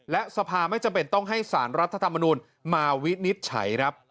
และสภาไม่จำเป็นต้องให้สารรัฐธรรมนูลมาวินิจฉัยครับ